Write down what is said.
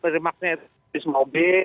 remaksnya itu bis mobil